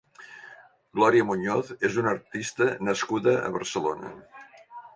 Gloria Muñoz és una artista nascuda a Barcelona.